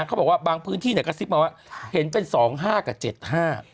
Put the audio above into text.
เขาบอกว่าบางพื้นที่เนี่ยกระซิบมาว่าเห็นเป็นสองห้ากับเจ็ดห้า